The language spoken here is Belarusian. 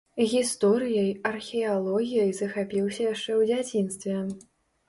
Гісторыяй, археалогіяй захапіўся яшчэ ў дзяцінстве.